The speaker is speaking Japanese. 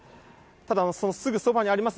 ただ、そのすぐそばにあります